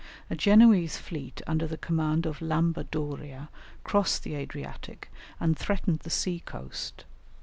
A Genoese fleet under the command of Lamba Doria crossed the Adriatic, and threatened the sea coast.